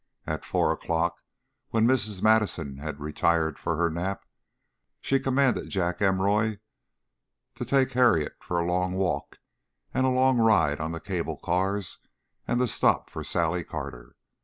At four o'clock, when Mrs. Madison had retired for her nap, she commanded Jack Emory to take Harriet for a long walk and a long ride on the cable cars, and to stop for Sally Carter.